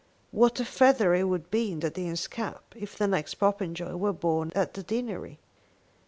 What a feather it would be in the Dean's cap if the next Popenjoy were born at the deanery.